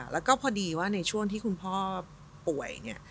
แล้วก็พอดีว่าในช่วงที่คุณพ่อป่วยเนี่ย